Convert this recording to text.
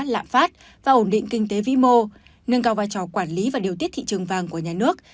lạm phát và ổn định kinh tế vĩ mô nâng cao vai trò quản lý và điều tiết thị trường vàng của nhà nước